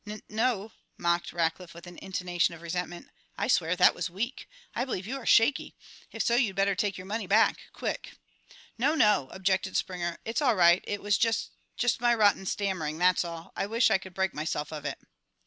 "Nun no," mocked Rackliff with an intonation of resentment. "I swear that was weak! I believe you are shaky. If so you'd better take your money back quick." "No, no," objected Springer. "It's all right. It was ju just my rotten stammering, that's all. I wish I could break myself of it."